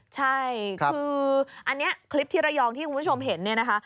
ใช่คืออันนี้คลิปที่ระยองที่คุณผู้ชมเห็น